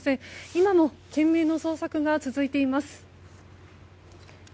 今も懸命の捜索が続いています。